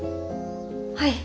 はい。